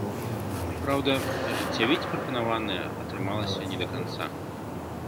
Праўда, ажыццявіць прапанаванае атрымалася не да канца.